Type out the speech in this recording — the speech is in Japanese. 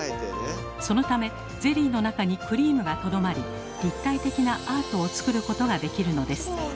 そのためゼリーの中にクリームがとどまり立体的なアートを作ることができるのです。